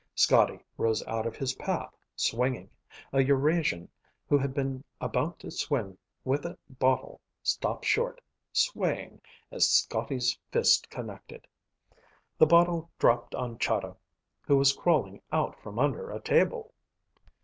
Scotty rose out of his path, swinging. A Eurasian who had been about to swing with a bottle stopped short, swaying, as Scotty's fist connected. The bottle dropped on Chahda, who was crawling out from under a table.